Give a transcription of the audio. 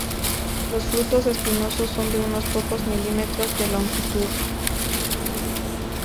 Los frutos espinosos son de unos pocos milímetros de longitud.